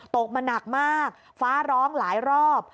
ตกมาหนักมากฟ้าร้องหลายรอบ